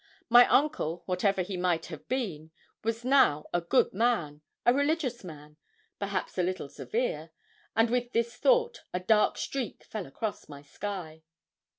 My uncle, whatever he might have been, was now a good man a religious man perhaps a little severe; and with this thought a dark streak fell across my sky.